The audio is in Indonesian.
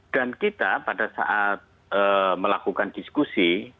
dan kita pada saat melakukan diskusi